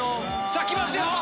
さぁ来ますよ！